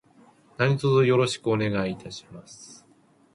何卒よろしくお願いいたします。